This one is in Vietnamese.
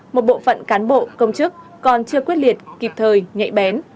một bộ phận cán bộ công chức còn chưa quyết liệt kịp thời nhạy bén